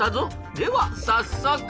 では早速。